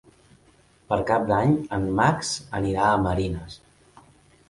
Per Cap d'Any en Max anirà a Marines.